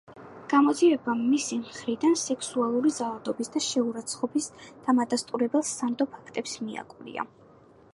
გამოძიებამ მისი მხრიდან სექსუალური ძალადობის და შეურაცხყოფის „დამადასტურებელ, სანდო“ ფაქტებს მიაკვლია.